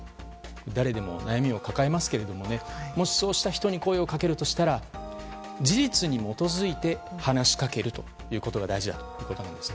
誰でも悩みを抱えますけどもし、そうした人に声をかけるとしたら事実に基づいて、話しかけるということが大事だということなんですね。